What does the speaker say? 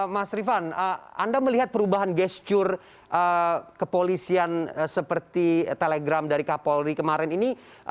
mas rifan anda melihat perubahan gesture kepolisian seperti telegram dari kapolri kemarin ini